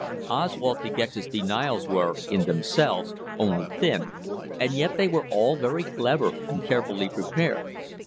Oswald De Gex's denials were, in themselves, only thin, and yet they were all very clever and carefully prepared.